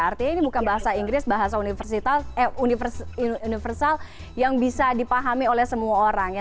artinya ini bukan bahasa inggris bahasa universal yang bisa dipahami oleh semua orang ya